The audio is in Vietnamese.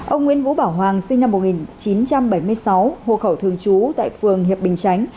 ông nguyễn vũ bảo hoàng sinh năm một nghìn chín trăm bảy mươi sáu hộ khẩu thường trú tại phường hiệp bình chánh